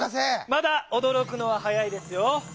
まだおどろくのははやいですよ。